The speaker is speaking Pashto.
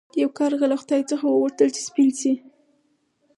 یو کارغه له خدای څخه وغوښتل چې سپین شي.